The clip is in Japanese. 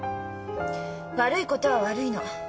悪いことは悪いの。